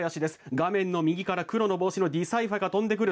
画面の右から黒の帽子のディサイファが飛んでくる。